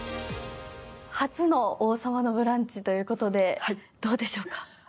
初の「王様のブランチ」ということでどうでしょうか？